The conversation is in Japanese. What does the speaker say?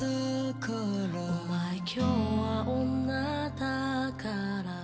「お前今日は女だから」